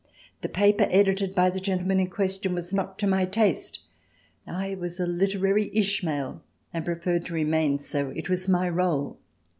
The paper edited by the gentleman in question was not to my taste. I was a literary Ishmael, and preferred to remain so. It was my rôle.